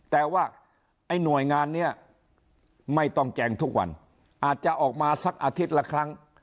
แต่ว่าไอ้หน่วยงานนี้ไม่ต้องแจงทุกวันอาจจะออกมาสักอาทิตย์ละครั้ง